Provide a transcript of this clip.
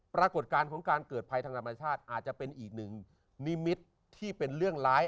ปรากฏการณ์ของการเกิดภัยทางธรรมชาติอาจจะเป็นอีกหนึ่งนิมิตรที่เป็นเรื่องร้าย